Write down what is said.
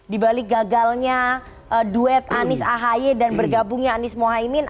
di balik gagalnya duet anies ahaye dan bergabungnya anies mohaimin